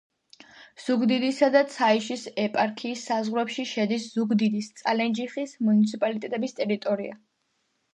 ზუგდიდისა და ცაიშის ეპარქიის საზღვრებში შედის ზუგდიდის, წალენჯიხის მუნიციპალიტეტების ტერიტორია.